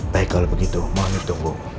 baik kalau begitu mohon ditunggu